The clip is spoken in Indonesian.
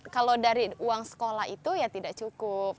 kalau dari uang sekolah itu ya tidak cukup